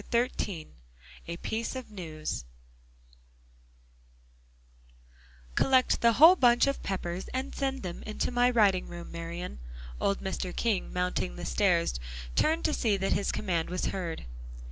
XIII A PIECE OF NEWS "Collect the whole bunch of Peppers and send them into my writing room, Marian." Old Mr. King mounting the stairs, turned to see that his command was heard.